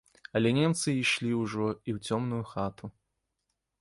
Але немцы ішлі ўжо і ў цёмную хату.